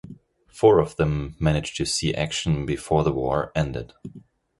Four of them managed to see action before the war ended.